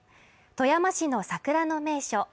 富山市の桜の名所